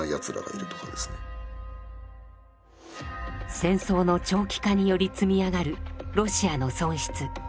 戦争の長期化により積み上がるロシアの損失。